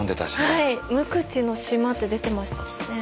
はい「六口の島」って出てましたしね。